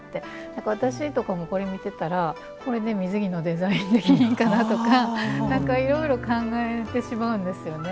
だから私とかもこれ見てたらこれで水着のデザインできひんかなとか何かいろいろ考えてしまうんですよね。